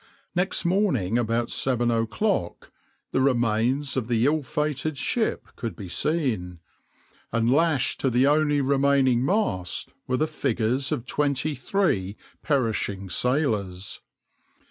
Next morning, about seven o'clock, the remains of the ill fated ship could be seen, and lashed to the only remaining mast were the figures of twenty three perishing sailors.